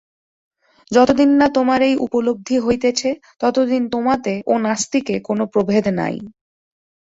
যতদিন না তোমার এই উপলব্ধি হইতেছে, ততদিন তোমাতে ও নাস্তিকে কোন প্রভেদ নাই।